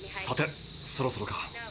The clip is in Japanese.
さてそろそろか。